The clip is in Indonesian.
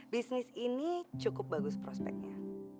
bisnis ini cukup bagus prospeknya